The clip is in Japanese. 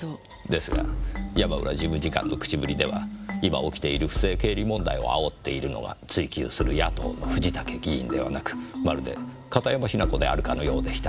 ですが山浦事務次官の口ぶりでは今起きている不正経理問題をあおっているのは追及する野党の藤竹議員ではなくまるで片山雛子であるかのようでした。